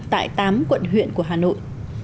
tại tám quận huyện của hà nội